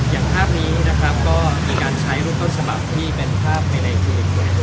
อย่างภาพนี้นะครับก็มีการใช้รูปต้นฉบับที่เป็นภาพไปในเพจ